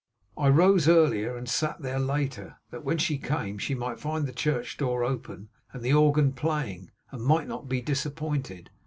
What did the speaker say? I rose earlier and sat there later, that when she came, she might find the church door open, and the organ playing, and might not be disappointed.